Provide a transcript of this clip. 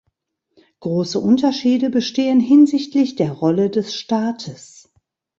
Große Unterschiede bestehen hinsichtlich der Rolle des Staates.